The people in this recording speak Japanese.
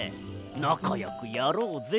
なかよくやろうぜ。